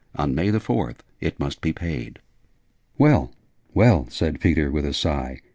On May the Fourth it must be paid.' 'Well, well!' said Peter, with a sigh.